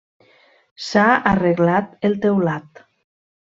S'ha arreglat el teulat.